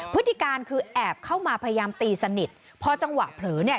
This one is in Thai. พฤติการคือแอบเข้ามาพยายามตีสนิทพอจังหวะเผลอเนี่ย